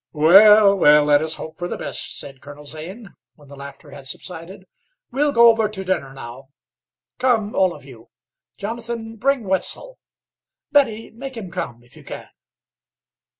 "Well, well, let us hope for the best," said Colonel Zane, when the laughter had subsided. "We'll go over to dinner now. Come, all of you. Jonathan, bring Wetzel. Betty, make him come, if you can."